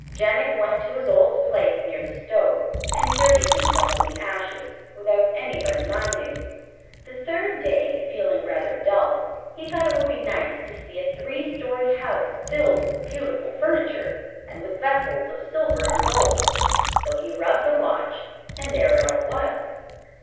Jenik went to his old place near the stove, and dirtied himself in the ashes without anybody minding. The third day, feeling rather dull, he thought it would be nice to see a three story house filled with beautiful furniture, and with vessels of silver and gold. So he rubbed the watch, and there it all was.